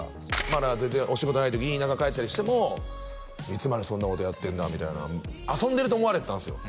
まだ全然お仕事ない時に田舎帰ったりしても「いつまでそんなことやってんだ」みたいな遊んでると思われてたんですよ